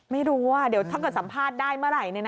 ไม่รู้ว่าเดี๋ยวถ้าเกิดสัมภาษณ์ได้เมื่อไหร่